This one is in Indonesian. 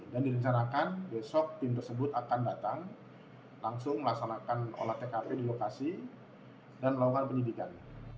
direncanakan besok tim tersebut akan datang langsung melaksanakan olah tkp di lokasi dan melakukan penyidikan